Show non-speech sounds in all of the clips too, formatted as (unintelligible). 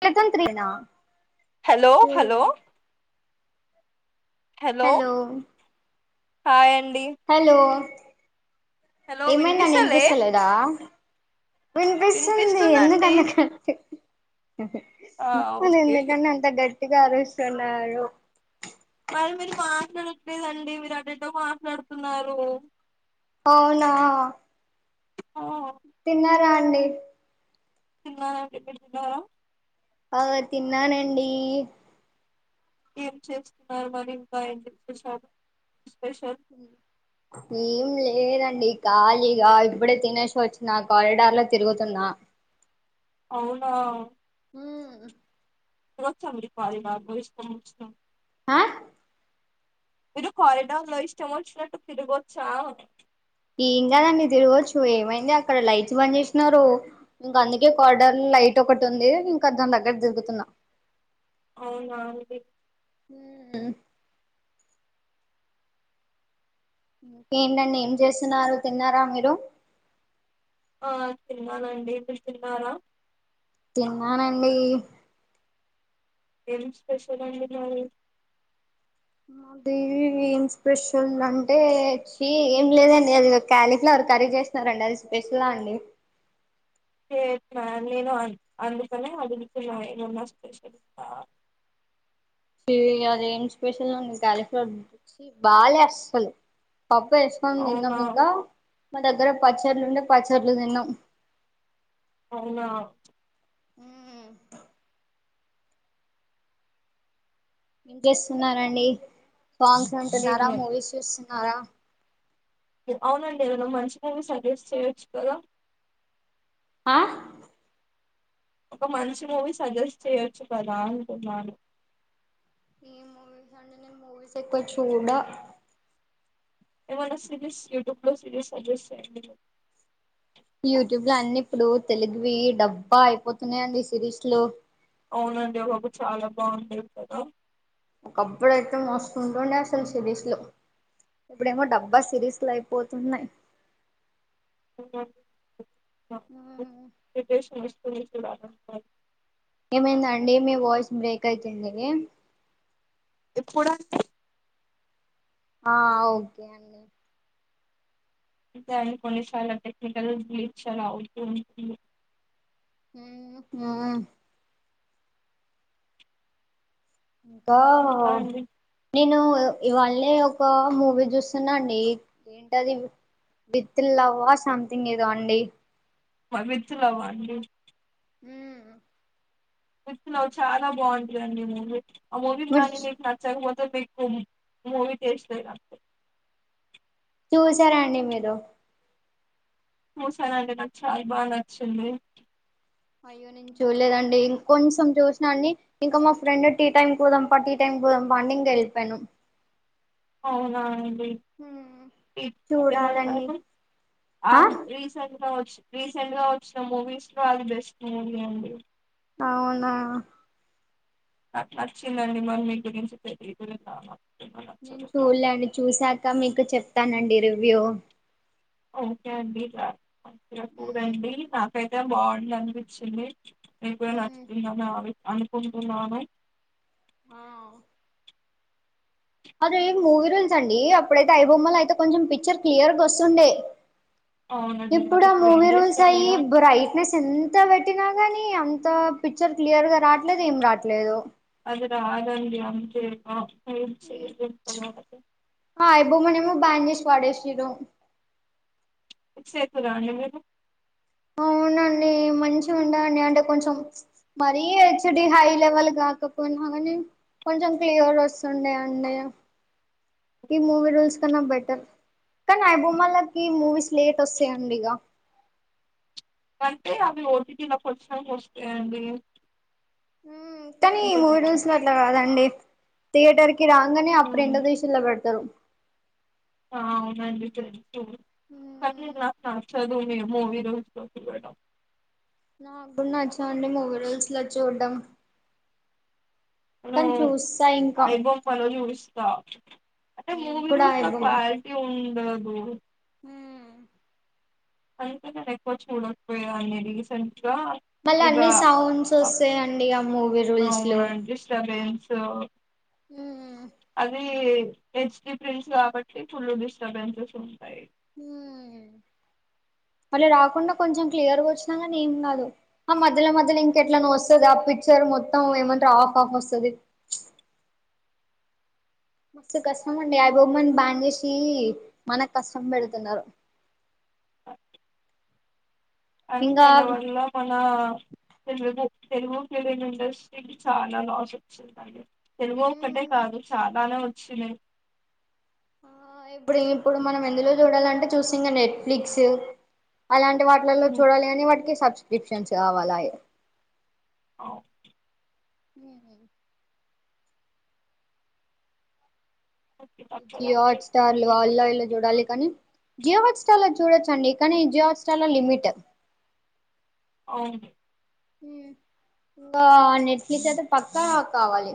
చలతంత్రేనా hello hello hello hi అ hello hello ఏమందండి వినిపిస్తలే వినిపిస్తలేదా వినిపిస్తుంది వినిపిస్తుందండి ఎందుకంత గట్టి ఆ (unintelligible) ఓకే ఎందుకంటే అంత గట్టిగా అరుస్తున్నారు అ మీరు మాట్లాడట్లేదండి మీరు అటెటో మాట్లాడుతున్నారు. అవునా ఆ తిన్నరా అండి తిన్నానండి మీరు తిన్నారా ఆ తిన్నానండి ఏం చేస్తున్నారు మరింకా (unintelligible) ఏం లేదం డి ఖాళీగా ఇప్పుడే తినేసి వచ్చిన కారిడార్ లో తిరుగుతున్నా అవునా (unintelligible) ఆ మీరు కారీడార్లో ఇష్టవొచ్చినట్లు తిరగచ్చా. ఏం కాదండి తిరగొచ్చు ఏమైంది అక్కడ లైట్స్ బంద్ చేసినారు ఇంక అందుకే కారిడార్లో లైట్ ఒకటి ఉంది ఇంకా దాని దగ్గర దిరుగుతున్నా అవునా ఉమ్ ఏంటండి ఏం చేస్తున్నారు తిన్నారా మీరు ఆ తిన్నానండి మీరు తిన్నారా తిన్నానండి ఏం స్పెషల్ అండి మరి మాది ఏం స్పెషల్ అంటే ఛీ ఏం లేదండి అది కాలిఫ్లర్ కర్రీ చేసినారండి అది స్పెషల్ అండి (unintelligible) అందుకనే అడుగుతున్న ఎమన్నా స్పెషలా అని అదేం స్పెషల్ అండి కాలిఫ్లవర్ (unintelligible) బాలా అసలు పప్పు ఏసుకొని తిన్నాం అవునా ఇంకా మా దగ్గర పచ్చర్లుండే పచ్చర్లు తిన్నాం అవునా ఉమ్ ఏం చేస్తున్నారండి సాంగ్స్ ఏం వింటున్నారా లేదు మూవీస్ చూస్తున్నారా అవునండి ఏమైనా మంచి మూవీస్ సజెస్ట్ చేయొచ్చు కదా ఆ ఒక మంచి మూవీ సజెస్ట్ చేయొచ్చు కదా అంటున్నాను. ఈ మూవీస్ అండి నేను మూవీస్ ఎక్కువ చూడా ఎమన్నా సీరిస్ యూట్యూబ్ లో సిరీస్ సజెస్ట్ చేయండి యూట్యూబ్ లో అన్నిీ ఇప్పుడు తెలుగువి డబ్బా అయిపోతున్నాయిడి సిరీస్ లో అవునండి ఒకప్పుడు చాలా బాగుంది కదా ఒకప్పుడు అయితే మోస్తుం ఉంటుండే అసలు సిరీస్ లో ఇప్పుడేమో డబ్బా సిరీస్లు అయిపోతున్నాయి ఇ సస్త మష బాల (unintelligible) ఏమైంద అండి మీ వాయిస్ బ్రేక్ అయితుంది ఇప్పుడు అండి ఆ ఓకే అండి దాని కొన్ని చాలా టెక్నికల్ బ్లీచ్ అలా అవుతూ ఉంటుంది హ ఇంకా ఇంకా అండి నేను ఇవాళ ఒక మూవీ చూస్తున్నాండి ఏంటిది వి ిల్లవా సంథింగ్ ఇదో అండి (unintelligible) లవ్ అవ్వండి హ్మ్మ్ వలో చాలా బాగుంటందండి మూవీ ఆ మూవీలు మీరు గానీ మీకు నచ్చకపోతే మీకు మూవీ టేస్ట్ లేనట్టుంది చూసారాండి మీరు చూసానండి నాకు చాలా బాగా నచ్చింది అయ్యో నేను చూడలేదండి ఇంక కొంచెం చూసినాన్ని ఇంకా మా ఫ్రెండ్ టీ టైమ్ కి పోదాం పా టీ టైమ్ బడింగ్ వెళ్పను అవునాఅండి మ చూడాలండి త ఆ ఏస (unintelligible) రీసెంట్ గా వచ్చిన మూవీస్ లో అది బెస్ట్ మూవీ అండి అవునా నాకు నచ్చిందండి మన మీ గురించి పెరుదుమా నేను చూడలేదాండి చూశాక మీకు చెప్తానండి రివ్యూ ఓకే అండిపూర్ అండి నాకైతే బాగుండ అనిపించింది ఎకువే నచ్చింద అవి అనుకుంటున్నాను ఆ అదే మూవీ రోల్స్ అండి అప్పుడైతే ఐ బొమ్మల అయితే కొంచెం పిక్చర్ క్లియర్గా వస్తుండే అవునండి మరి ఇప్పుడు ఆ ఏం మూవీ రూల్స్ చేస్తాం అయి ఇగ బ్రైట్నెస్ ఎంత పెట్టినా గాని అంత పిక్చర్ క్లియర్ గా రాట్లేదు ఏం రాట్లేదు అదర ఆంగా అంతేగా చేప్పదు బూ మనీ బ్యాండ్ చేసి పడేసారు సేతు రానీ మీరు అవునండి మంచి ఉండండి అంటే కొంచెం మరీ హెచ్డి హై లెవెల్ గా కాకపోయినా కానీ కొంచెం క్లియర్ వస్తుండే అండి ఈ మూవీ రూల్స్ కన్నా బెటర్ కానీయిబోమ్మాలకి మూవీస్ లేట్ వస్తాయండీగా అంటే అవి ఓటిటీల కొస్తాయండి కానీ మూవీ రూస్ లో అట్లా కాదండి థియేటర్ కి రాగానే అప్పుడు హ్మ్. ఎంత తిషిన్లో పెడతారు ఆ అవునండి క చదువు మే మూమి రా నాక్కూడా నచ్చవండి మూవీ రూల్స్ లో చూడడం కనీ చూస అయి బొమ్మలో చూస్తా అంటే నేను మూవీ కూడా ఐ రూల్స్ ల క్వాలిటీ ఉండదు (inaudible) అయితే నేనేక్కువ చూడపోయా నే రీసెంట్గా మళ్ళీ ఇగా అన్ని సౌండ్స్ వస్తాయండి ఆ మూవీ రూల్స్ లో అవున డిస్టబెన్స్ అదే అది హెచ్ డి ప్రింట్స్ కాబట్టి ఫుల్ డిస్టర్బెన్సెస్ ఉంటాయి ఊ (inaudible) అళ్ళ రాకుండా కొంచెం క్లియర్గా వచ్చినా కానీ ఏం కాదు ఆ మధ్యలో మధ్యలో ఇంకెట్లా న వస్తుంది ఆ పిచర్ మొత్తం ఏమంటా ఆఫ్ ఆఫ్ వస్తుది (inaudible) మస్తు కష్టమండి ఐ బొమ్మ ను బ్యాన్ జేసీ మనకు కష్టం పెడుతున్నారు (inaudible) అని ఇంకా ఆయన వల్ల మన తెలుగు తెలుగు ఫిలిం ఇండస్ట్రీకి చాలా లాస్ వచ్చిందంది తెలుగు ఒక్కటే కాదు చాలానే వచ్చినాయి ఇప్పుడు ఇప్పుడు మనం ఎందులో చూడాలంటే చూసి నెట్ఫ్లిక్స్ అలాంటి వాటిలలో ఉమ్, చూడాలి అని వాటికి సబ్స్క్రిప్షన్స్ కావాలాయే ఓ (inaudible) ఏ (inaudible) ఓకే, జియో తప్పదండి. హాట్స్టార్ లూ కొన్ని అల్లా కొన్ని- ఇల్ల చూడాలి కానీ జియో హాట్ స్టార్ చూడొచ్చండి కానీ జియో హాట్ స్టార్ లో లిమిట్ అవును గ నెట్ ఫ్లిక్స్ ఐతే పక్కా కావాలి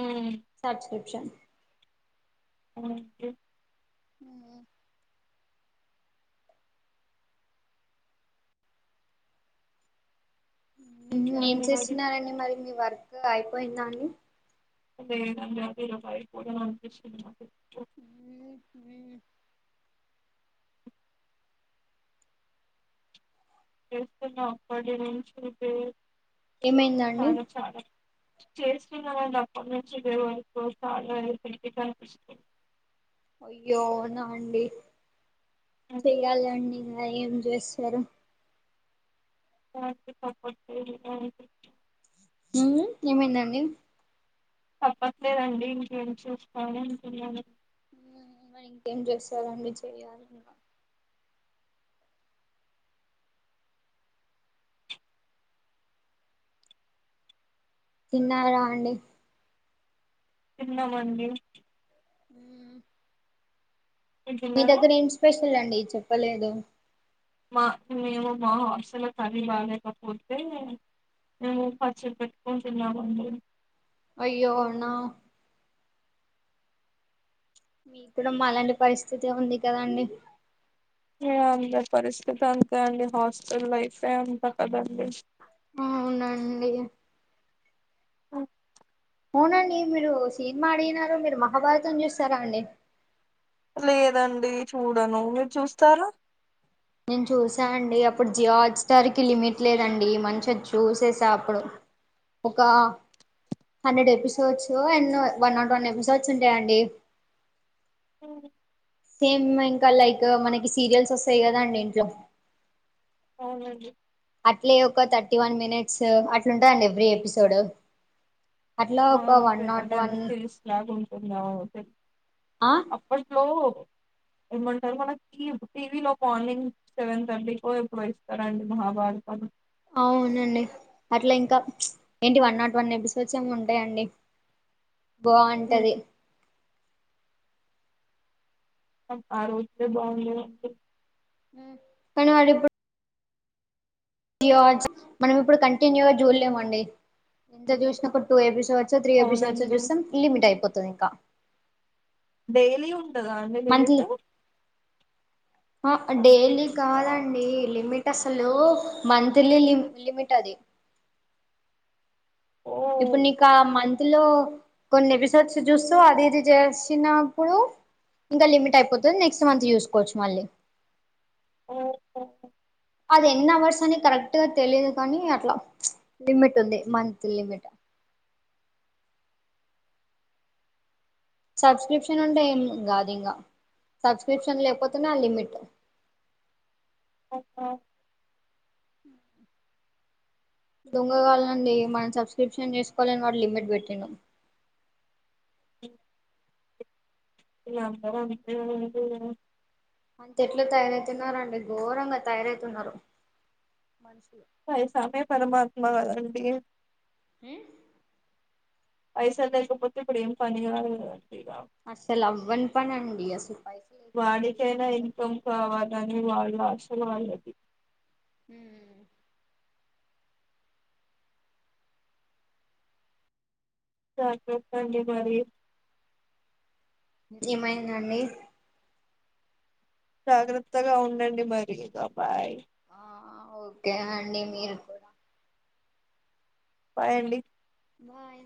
ఉమ్ సబ్స్క్రిప్షన్ అ (inaudible) ఉ (inaudible) ఇంకా ఏం అండి మరి చేస్తున్నారండి మరి మీ వర్క్ అయిపోయిందా అండి అదే నభరయి పోదాం అనిపించింది నాకు హ (inaudible) చేస్తున్నా అప్పటి నుంచి ఇదే ఏమైంద అండి చేస్తున్న వాళ్ళ అప్పటి నుంచి ఇదే వర్క్ వైకుర్ పె కనిపించుంది (inaudible) అయ్యోనా అండి ఇంకా చెయ్యాలి అండి ఆ ఏం చేస్తారు సపో చే (unintelligible) ఆ ఏమైందండి తప్పట్లేదండి ఇంకేం చూసుకోని ఇంకను మరి ఇంకేం చేస్తారు అండి చెయ్యాలి తిన్న రా అండి తిన్న మండీ హ (inaudible) మీ తిన్నారా దగ్గర ఏం స్పెషల్ అండి చెప్పలేదు మా మేము మా హాస్టల్ లో కరి బాలేకపోతే మేము పచ్చి పెట్టుకు తిన్నామండి అయ్యో అవునా మీ కూడా మా అలాంటి పరిస్థితి ఉంది కదా అండి అంతే అందరి పరిస్థితి అంతే అండి హాస్టల్ లైఫే అంతా కదండి అవునండి ఆఓ అవునండి మీరు సినిమా అడిగినారు మీరు మహాభారతం చూస్తారా అండి లేదండి చూడను మీరు చూస్తారా నేను చూసా అండి అప్పుడు జిో హాట్ స్టార్ కి లిమిట్ లేదండి మంచిగాది చూసేసా అప్పుడు ఒకకా హండ్రెడ్ ఎపిసోడ్స్ ఎన్నో వన్ నాట్ వన్ ఎపిసోడ్స్ ఉంటాయా అండి అవు సేమ్ ఇంకా లైక్ మనకి సీరియల్స్ వస్తాయి కదాండి ఇంట్లో అవునండి అట్లే ఒక థర్టీ వన్ మినిట్స్ అట్లుంటందండి ఎవ్రీ ఎపిసోడ్ అట్లా ఆ ఒక వన్ సే నాట్ అదే అండి వన్ సేస్ లాగా ఉంటుందా ఆ అప్పట్లో ఏమంటారు మనకిటీ టీవీ లో మార్నింగ్ సెవెన్ థర్టీ లో ఎప్పుడు ఇస్తారండి మహాభారతం అవునండి అట్లా ఇంకా ఏంటి వన్ నాట్ వన్ నబసవచ్ంగా ఉంటాయండి బాగుంటది ఆ రోజుే బాగుంది కానీవాడిప్పుడు జ మనం ఇప్పుడు కంటిన్యూగా చూడలేమండి ఇంత చూసినప్పుడు టూ ఎపిసోడ్ తీ ఎబిసోడ్స్ అవునండి చూసం లిమిట్ అయిపోతుంది ఇంకా డేలీ ఉ మంతంత్లీ వన్ ఫిఫ్టీ డైలీ కాదండి లిమిట్ అ అసలు మంత్లీ లిమిట్ అది ఓ ఇప్పుడు నీకా మంచి లో కొన్ని విసర్స్ చూస్తూ అది ఇది చేసినప్పుడు ఇంకా లిమిట్ అయిపోతుంది నెక్స్ట్ మంత్ చూసుకోవచ్చు మళ్ళీ ఓహోహ అది ఎన్ అవర్స్ అని కరెక్ట్ గా తెలీయదు కానీ అట్లా లిమిట్ ఉంది మంత్ లిమిట్ సబ్స్క్రిప్షన్ ఉంటే ఏం కాదు ఇంకా సబ్స్క్రిప్షన్ లేకపోతున్నా ఆ లిమిట్ ఒక్కో దొంగ కాాలనండి మనం సబ్స్క్రిప్షన్ చేసుకోవాలని వాడు లిమిట్ పెట్టిను ఇబ అంత ఎట్లు తయారవుతున్నండి ఘోరంగా తయారవుతున్నారు మనుషులు పైసామే పరమాత్మా కదండి ఏ పైసకపోతే ఇప్పుడం పని అసలు అవ్వని పని అండి అసలు పైసలు లేకపోతే ఏం వాడికైనా అవ్వదు ఇన్కమ్ కావాలని వాడి అ హ చార్ పాన్ని మారారి ఏమైందండి జాగ్రత్తగా ఉండండి మరి బబాయ్ ఆ ఓకే అన్న మీరుకోద పయంండి బాయ్